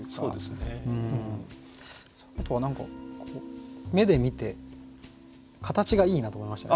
あとは何か目で見て形がいいなと思いましたね。